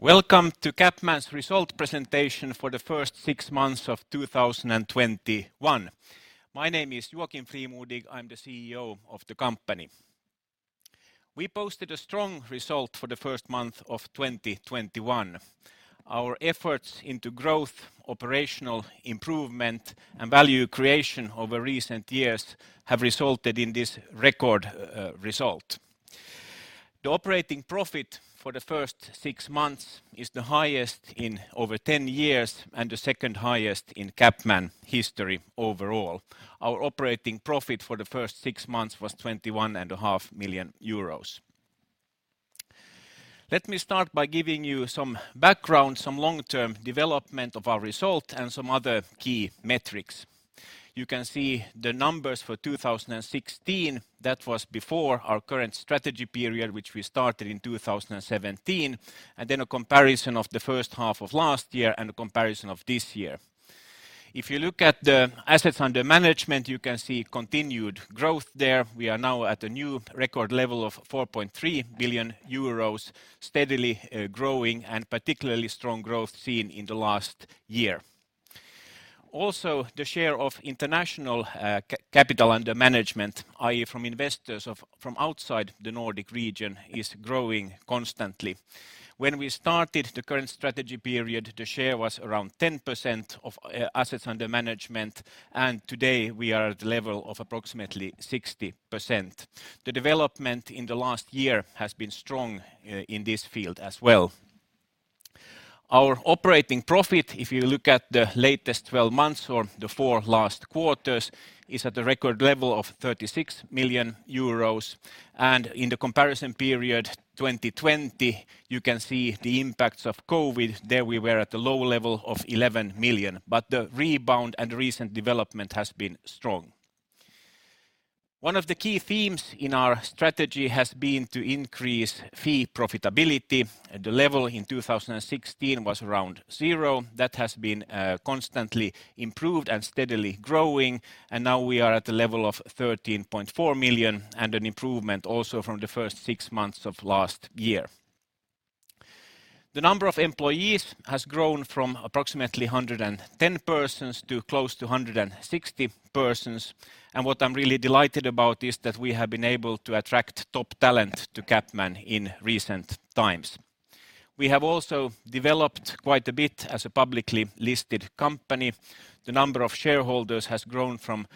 Welcome to CapMan's result presentation for the first six months of 2021. My name is Joakim Frimodig, I'm the CEO of the company. We posted a strong result for the first month of 2021. Our efforts into growth, operational improvement, and value creation over recent years have resulted in this record result. The operating profit for the first six months is the highest in over 10 years and the second highest in CapMan history overall. Our operating profit for the first six months was 21.5 million euros. Let me start by giving you some background, some long-term development of our result, and some other key metrics. You can see the numbers for 2016. That was before our current strategy period, which we started in 2017, and then a comparison of the first half of last year and a comparison of this year. If you look at the assets under management, you can see continued growth there. We are now at a new record level of 4.3 billion euros, steadily growing and particularly strong growth seen in the last year. Also, the share of international capital under management, i.e., from investors from outside the Nordic region, is growing constantly. When we started the current strategy period, the share was around 10% of assets under management, and today we are at the level of approximately 60%. The development in the last year has been strong in this field as well. Our operating profit, if you look at the latest 12 months or the four last quarters, is at a record level of 36 million euros. In the comparison period, 2020, you can see the impacts of COVID. There we were at the low level of 11 million, but the rebound and recent development has been strong. One of the key themes in our strategy has been to increase fee profitability. The level in 2016 was around zero. Now we are at the level of 13.4 million and an improvement also from the first six months of last year. The number of employees has grown from approximately 110 persons to close to 160 persons. What I'm really delighted about is that we have been able to attract top talent to CapMan in recent times. We have also developed quite a bit as a publicly listed company. The number of shareholders has grown from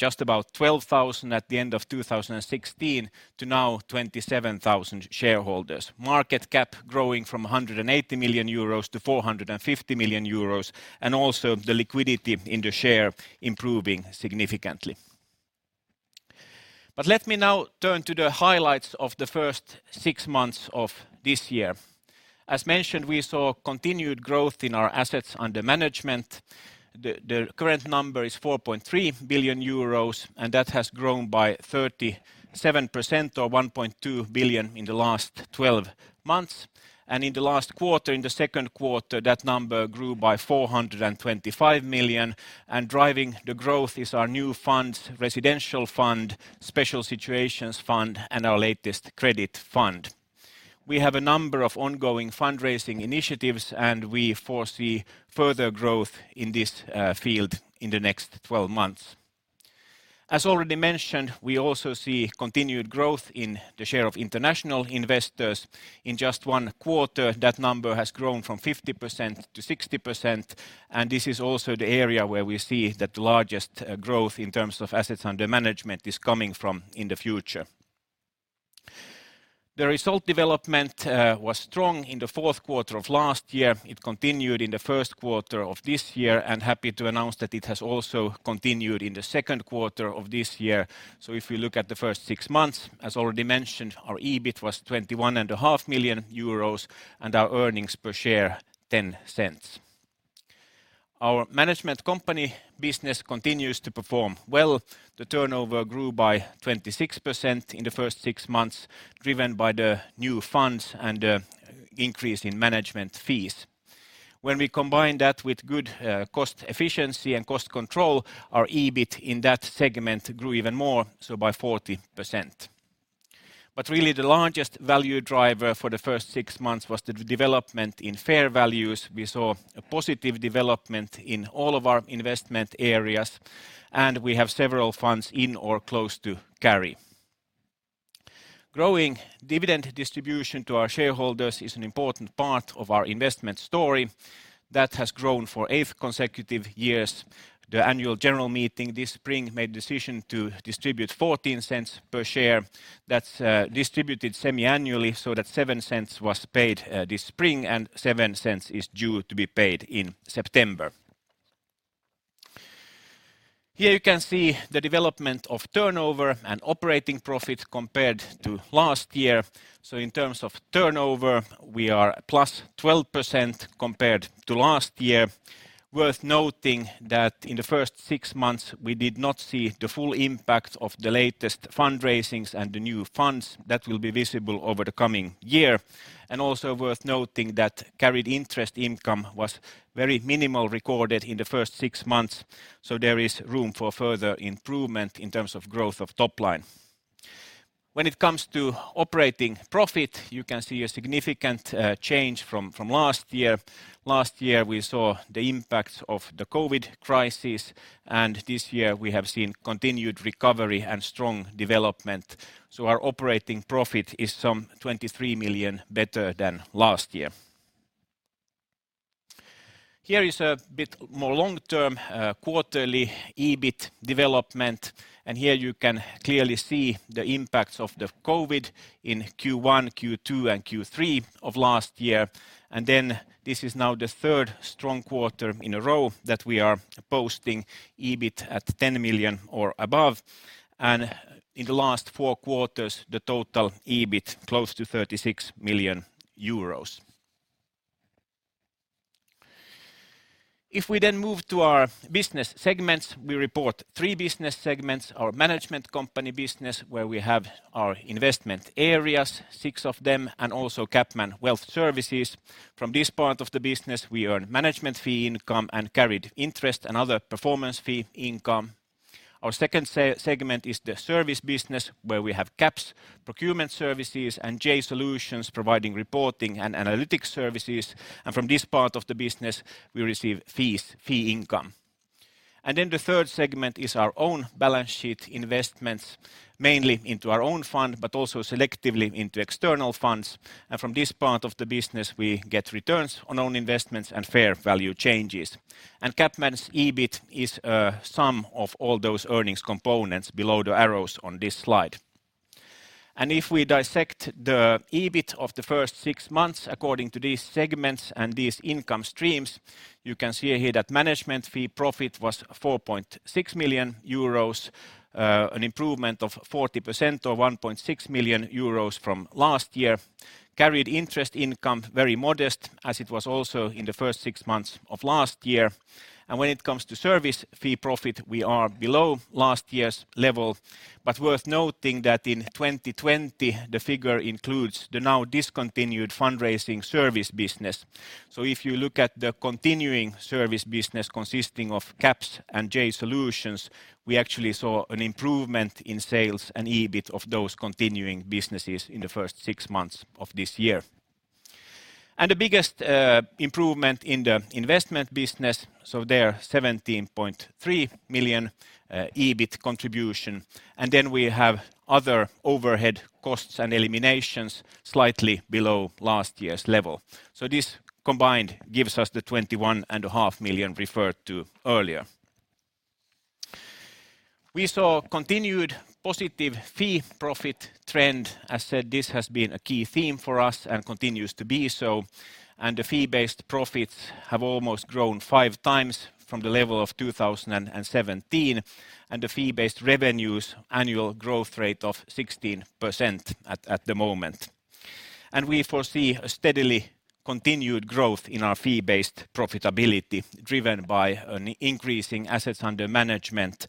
just about 12,000 at the end of 2016 to now 27,000 shareholders. Market cap growing from 180 million-450 million euros, and also the liquidity in the share improving significantly. Let me now turn to the highlights of the first six months of this year. As mentioned, we saw continued growth in our assets under management. The current number is 4.3 billion euros, and that has grown by 37% or 1.2 billion in the last 12 months. In the last quarter, in the second quarter, that number grew by 425 million. Driving the growth is our new funds, residential fund, special situations fund, and our latest credit fund. We have a number of ongoing fundraising initiatives, and we foresee further growth in this field in the next 12 months. As already mentioned, we also see continued growth in the share of international investors. In just one quarter, that number has grown from 50%-60%, and this is also the area where we see that the largest growth in terms of assets under management is coming from in the future. The result development was strong in the fourth quarter of last year. It continued in the first quarter of this year, and happy to announce that it has also continued in the second quarter of this year. If we look at the first six months, as already mentioned, our EBIT was 21.5 million euros and our earnings per share 0.10. Our management company business continues to perform well. The turnover grew by 26% in the first six months, driven by the new funds and the increase in management fees. When we combine that with good cost efficiency and cost control, our EBIT in that segment grew even more, so by 40%. Really the largest value driver for the first six months was the development in fair values. We saw a positive development in all of our investment areas, and we have several funds in or close to carry. Growing dividend distribution to our shareholders is an important part of our investment story. That has grown for eight consecutive years. The annual general meeting this spring made decision to distribute 0.14 per share. That's distributed semi-annually, so that 0.07 was paid this spring and 0.07 is due to be paid in September. Here you can see the development of turnover and operating profit compared to last year. In terms of turnover, we are +12% compared to last year. Worth noting that in the first six months, we did not see the full impact of the latest fundraisings and the new funds. That will be visible over the coming year. Also worth noting that carried interest income was very minimal recorded in the first six months. There is room for further improvement in terms of growth of top line. When it comes to operating profit, you can see a significant change from last year. Last year, we saw the impact of the COVID crisis, and this year we have seen continued recovery and strong development. Our operating profit is some 23 million better than last year. Here is a bit more long-term quarterly EBIT development, and here you can clearly see the impacts of the COVID in Q1, Q2, and Q3 of last year. This is now the third strong quarter in a row that we are posting EBIT at 10 million or above, and in the last four quarters, the total EBIT close to 36 million euros. We move to our business segments, we report three business segments: our management company business, where we have our investment areas, six of them, and also CapMan Wealth Services. From this part of the business, we earn management fee income and carried interest and other performance fee income. Our second segment is the service business, where we have CaPS, procurement services, and JAY Solutions providing reporting and analytics services, from this part of the business, we receive fee income. The third segment is our own balance sheet investments, mainly into our own fund, but also selectively into external funds. From this part of the business, we get returns on own investments and fair value changes. CapMan's EBIT is a sum of all those earnings components below the arrows on this slide. If we dissect the EBIT of the first six months according to these segments and these income streams, you can see here that management fee profit was 4.6 million euros, an improvement of 40% or 1.6 million euros from last year. Carried interest income, very modest as it was also in the first six months of last year. When it comes to service fee profit, we are below last year's level. Worth noting that in 2020, the figure includes the now discontinued fundraising service business. If you look at the continuing service business consisting of CaPS and JAY Solutions, we actually saw an improvement in sales and EBIT of those continuing businesses in the first six months of this year. The biggest improvement in the investment business, so there 17.3 million EBIT contribution. We have other overhead costs and eliminations slightly below last year's level. This combined gives us the 21.5 million referred to earlier. We saw continued positive fee profit trend. As said, this has been a key theme for us and continues to be so, and the fee-based profits have almost grown 5x from the level of 2017, and the fee-based revenues annual growth rate of 16% at the moment. We foresee a steadily continued growth in our fee-based profitability driven by an increasing assets under management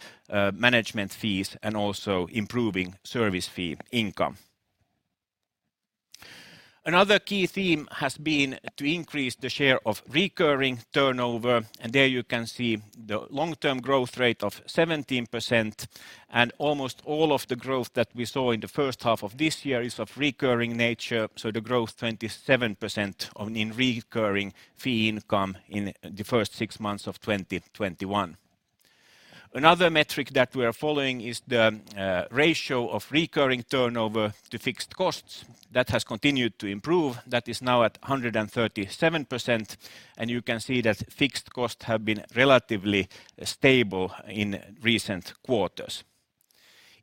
fees, and also improving service fee income. Another key theme has been to increase the share of recurring turnover, and there you can see the long-term growth rate of 17% and almost all of the growth that we saw in the first half of this year is of recurring nature. The growth 27% in recurring fee income in the first six months of 2021. Another metric that we're following is the ratio of recurring turnover to fixed costs. That has continued to improve. That is now at 137%, and you can see that fixed costs have been relatively stable in recent quarters.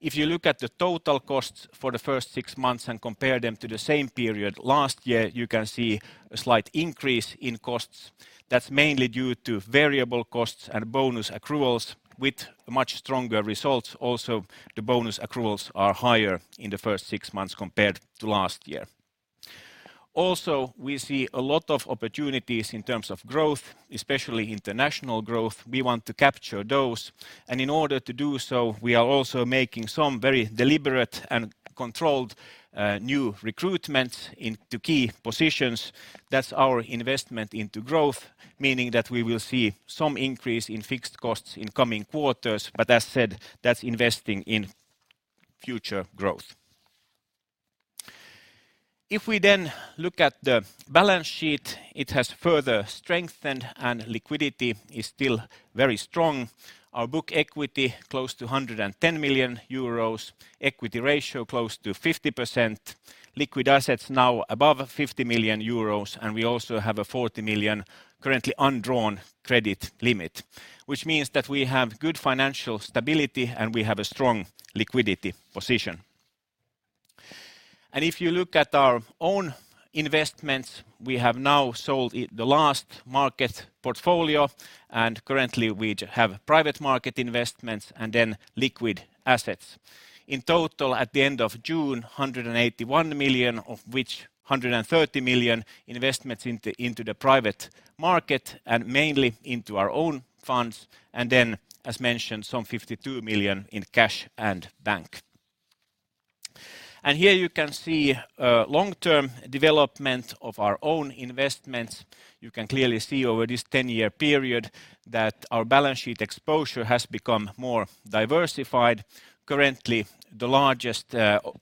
If you look at the total costs for the first six months and compare them to the same period last year, you can see a slight increase in costs. That's mainly due to variable costs and bonus accruals with much stronger results. The bonus accruals are higher in the first six months compared to last year. We see a lot of opportunities in terms of growth, especially international growth. We want to capture those, and in order to do so, we are also making some very deliberate and controlled new recruitment into key positions. That's our investment into growth, meaning that we will see some increase in fixed costs in coming quarters. As said, that's investing in future growth. If we look at the balance sheet, it has further strengthened, and liquidity is still very strong. Our book equity close to 110 million euros, equity ratio close to 50%, liquid assets now above 50 million euros, and we also have a 40 million currently undrawn credit limit, which means that we have good financial stability, and we have a strong liquidity position. If you look at our own investments, we have now sold it, the last market portfolio, and currently we have private market investments and then liquid assets. In total at the end of June, 181 million, of which 130 million investments into the private market and mainly into our own funds, and then as mentioned, some 52 million in cash and bank. Here you can see long-term development of our own investments. You can clearly see over this 10-year period that our balance sheet exposure has become more diversified. Currently, the largest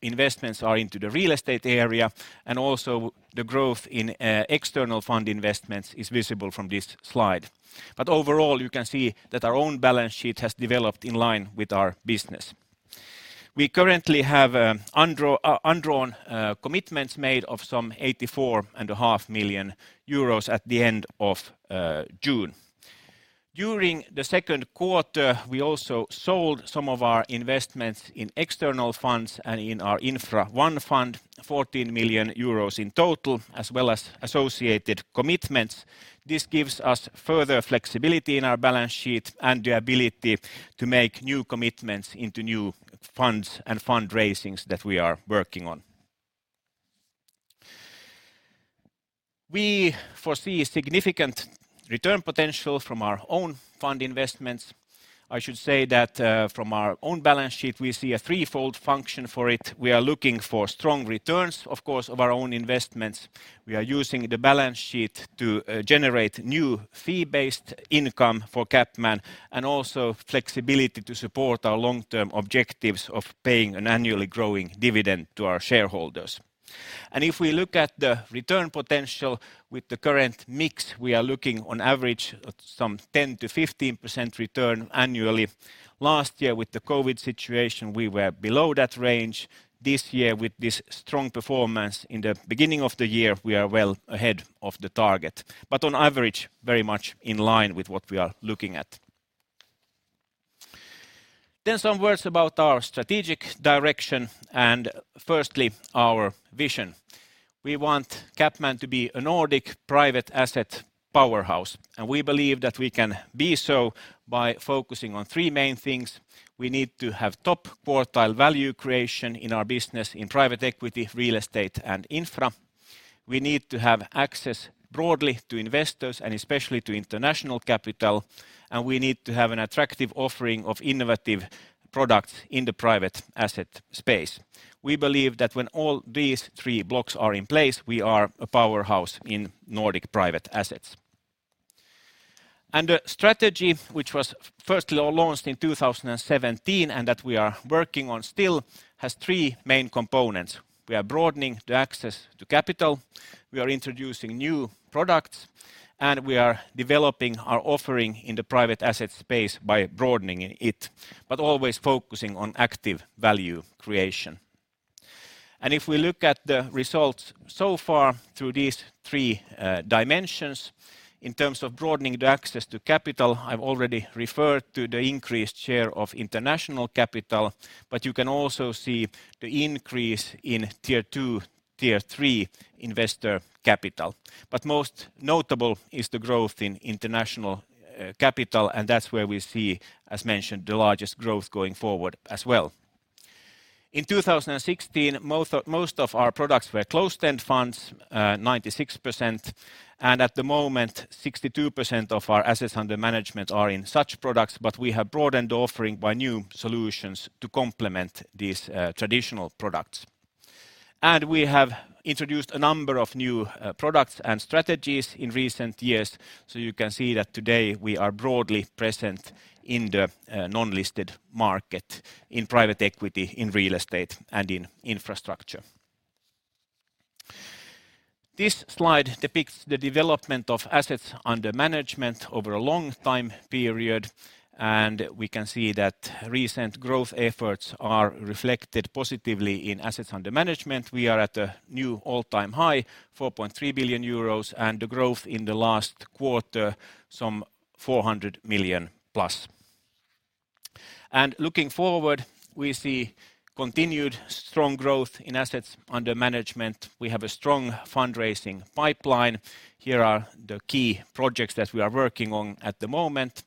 investments are into the real estate area, and also the growth in external fund investments is visible from this slide. Overall, you can see that our own balance sheet has developed in line with our business. We currently have undrawn commitments made of some 84.5 million euros at the end of June. During the second quarter, we also sold some of our investments in external funds and in our Infra I fund, 14 million euros in total, as well as associated commitments. This gives us further flexibility in our balance sheet and the ability to make new commitments into new funds and fundraisings that we are working on. We foresee significant return potential from our own fund investments. I should say that from our own balance sheet, we see a threefold function for it. We are looking for strong returns, of course, of our own investments. We are using the balance sheet to generate new fee-based income for CapMan and also flexibility to support our long-term objectives of paying an annually growing dividend to our shareholders. If we look at the return potential with the current mix, we are looking on average at some 10%-15% return annually. Last year with the COVID situation, we were below that range. This year with this strong performance in the beginning of the year, we are well ahead of the target, but on average, very much in line with what we are looking at. Some words about our strategic direction and firstly our vision. We want CapMan to be a Nordic private asset powerhouse, and we believe that we can be so by focusing on three main things. We need to have top quartile value creation in our business in private equity, real estate, and infra. We need to have access broadly to investors and especially to international capital, and we need to have an attractive offering of innovative products in the private asset space. We believe that when all these three blocks are in place, we are a powerhouse in Nordic private assets. The strategy, which was firstly launched in 2017 and that we are working on still, has three main components. We are broadening the access to capital, we are introducing new products, and we are developing our offering in the private asset space by broadening it, but always focusing on active value creation. If we look at the results so far through these three dimensions, in terms of broadening the access to capital, I've already referred to the increased share of international capital, but you can also see the increase in Tier 2, Tier 3 investor capital. Most notable is the growth in international capital, and that's where we see, as mentioned, the largest growth going forward as well. In 2016, most of our products were closed-end funds, 96%. At the moment, 62% of our assets under management are in such products. We have broadened the offering by new solutions to complement these traditional products. We have introduced a number of new products and strategies in recent years. You can see that today we are broadly present in the non-listed market in private equity, in real estate, and in infrastructure. This slide depicts the development of assets under management over a long time period, and we can see that recent growth efforts are reflected positively in assets under management. We are at a new all-time high, 4.3 billion euros, and the growth in the last quarter, some +400 million. Looking forward, we see continued strong growth in assets under management. We have a strong fundraising pipeline. Here are the key projects that we are working on at the moment.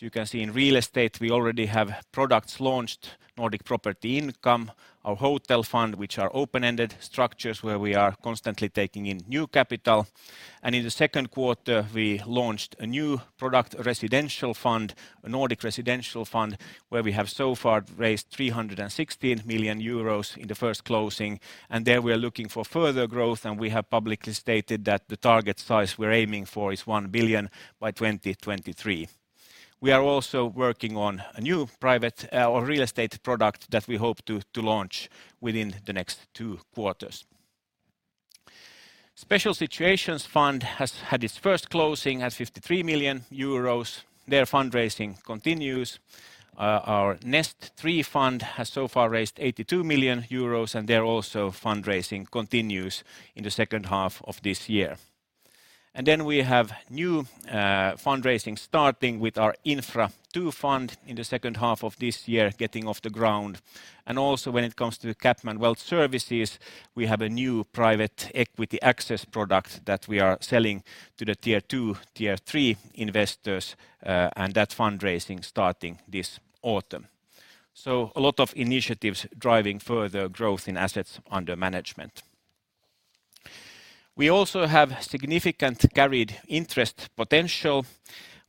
You can see in real estate, we already have products launched, Nordic Property Income, our hotel fund, which are open-ended structures where we are constantly taking in new capital. In the second quarter, we launched a new product, a residential fund, a Nordic residential fund, where we have so far raised 316 million euros in the first closing. There we are looking for further growth, and we have publicly stated that the target size we're aiming for is 1 billion by 2023. We are also working on a new private or real estate product that we hope to launch within the next two quarters. Special Situations Fund has had its first closing at 53 million euros. Their fundraising continues. Our Nest Capital III fund has so far raised 82 million euros. There also fundraising continues in the second half of this year. We have new fundraising starting with our CapMan Nordic Infrastructure II fund in the second half of this year getting off the ground. When it comes to CapMan Wealth Services, we have a new private equity access product that we are selling to the Tier 2, Tier 3 investors, and that fundraising starting this autumn. A lot of initiatives driving further growth in assets under management. We also have significant carried interest potential.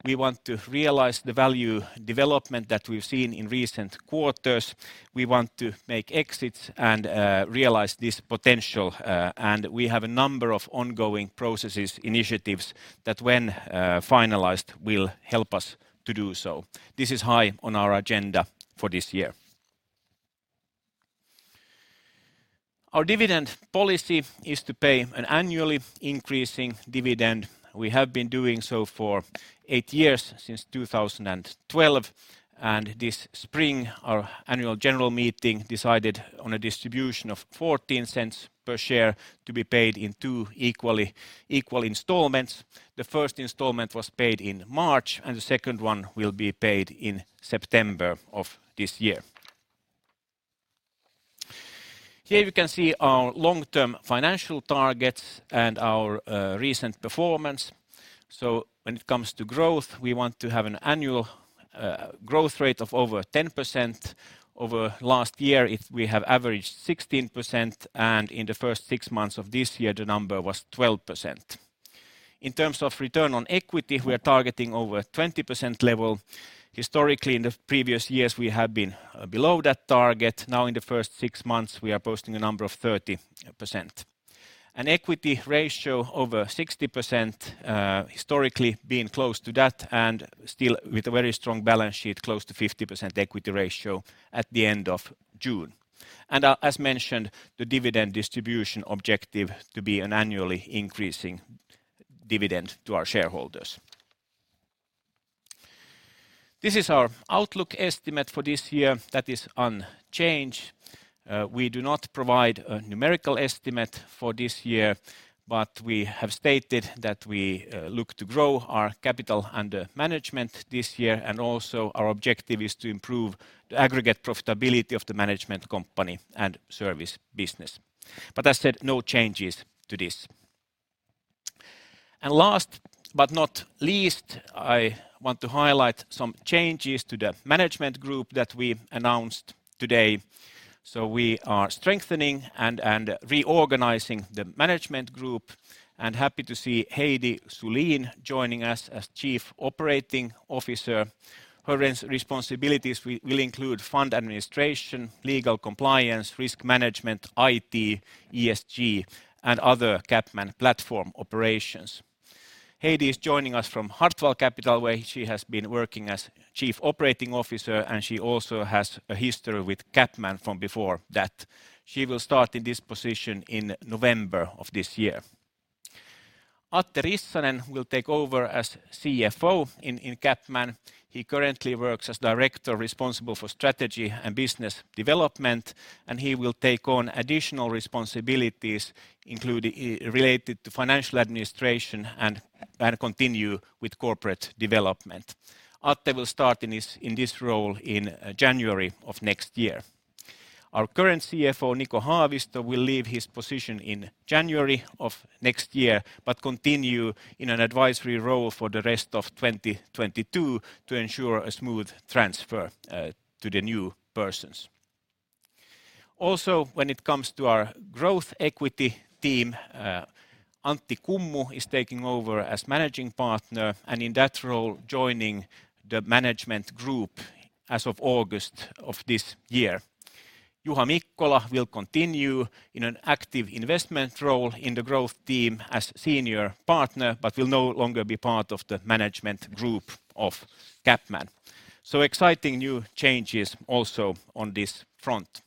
We want to realize the value development that we've seen in recent quarters. We want to make exits and realize this potential, and we have a number of ongoing processes, initiatives that when finalized, will help us to do so. This is high on our agenda for this year. Our dividend policy is to pay an annually increasing dividend. We have been doing so for eight years, since 2012. This spring our annual general meeting decided on a distribution of 0.14 per share to be paid in two equal installments. The first installment was paid in March, and the second one will be paid in September of this year. Here we can see our long-term financial targets and our recent performance. When it comes to growth, we want to have an annual growth rate of over 10%. Over last year, we have averaged 16%. In the first six months of this year, the number was 12%. In terms of return on equity, we are targeting over 20% level. Historically, in the previous years, we have been below that target. Now in the first six months, we are posting a number of 30%. An equity ratio over 60%, historically being close to that and still with a very strong balance sheet, close to 50% equity ratio at the end of June. As mentioned, the dividend distribution objective to be an annually increasing dividend to our shareholders. This is our outlook estimate for this year that is unchanged. We do not provide a numerical estimate for this year, but we have stated that we look to grow our capital under management this year and also our objective is to improve the aggregate profitability of the management company and service business. As said, no changes to this. Last but not least, I want to highlight some changes to the management group that we announced today. We are strengthening and reorganizing the management group and happy to see Heidi Sulin joining us as Chief Operating Officer. Her responsibilities will include fund administration, legal compliance, risk management, IT, ESG, and other CapMan platform operations. Heidi is joining us from Hartwall Capital, where she has been working as chief operating officer, and she also has a history with CapMan from before that. She will start in this position in November of this year. Atte Rissanen will take over as CFO in CapMan. He currently works as director responsible for strategy and business development, and he will take on additional responsibilities related to financial administration and continue with corporate development. Atte will start in this role in January of next year. Our current CFO, Niko Haavisto, will leave his position in January of next year, but continue in an advisory role for the rest of 2022 to ensure a smooth transfer to the new persons. When it comes to our growth equity team, Antti Kummu is taking over as Managing Partner and in that role, joining the Management Group as of August of this year. Juha Mikkola will continue in an active investment role in the growth team as Senior Partner, but will no longer be part of the Management Group of CapMan. Exciting new changes also on this front.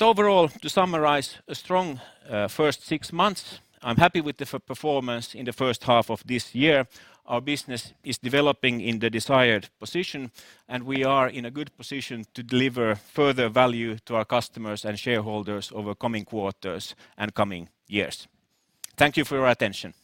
Overall, to summarize, a strong first six months. I'm happy with the performance in the first half of this year. Our business is developing in the desired position, and we are in a good position to deliver further value to our customers and shareholders over coming quarters and coming years. Thank you for your attention.